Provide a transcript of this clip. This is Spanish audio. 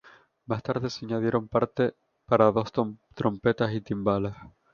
Más tarde, se añadieron parte para dos trompetas y timbales.